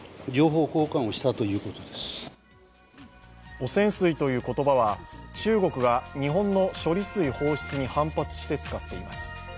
「汚染水」という言葉は、中国が日本の処理水放出に反発して使っています。